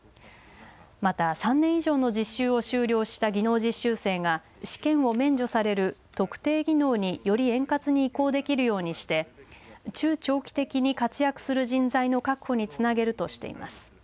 また３年以上の実習を修了した技能実習生が試験を免除される特定技能により円滑に移行できるようにして中長期的に活躍する人材の確保につなげるとしています。